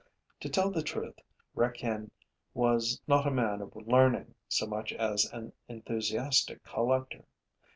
To tell the truth, Requien was not a man of learning so much as an enthusiastic collector.